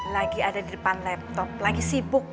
lagi ada di depan laptop lagi sibuk